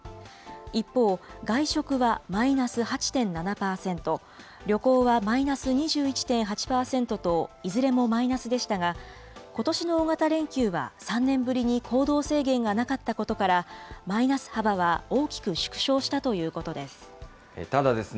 一方、外食はマイナス８．７％、旅行はマイナス２１．８％と、いずれもマイナスでしたが、ことしの大型連休は３年ぶりに行動制限がなかったことから、マイナス幅は大きく縮小したということです。